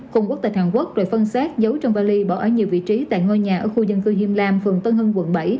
không quốc tịch hàn quốc rồi phân xác giấu trong vali bỏ ở nhiều vị trí tại ngôi nhà ở khu dân cư hiêm lam phường tân hưng quận bảy